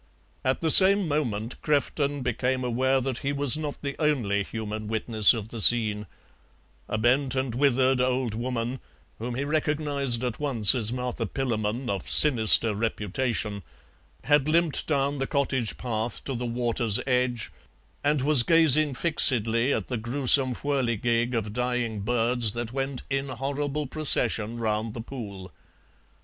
At the same moment Crefton became aware that he was not the only human witness of the scene; a bent and withered old woman, whom he recognized at once as Martha Pillamon, of sinister reputation, had limped down the cottage path to the water's edge, and was gazing fixedly at the gruesome whirligig of dying birds that went in horrible procession round the pool.